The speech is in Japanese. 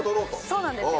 そうなんですよ。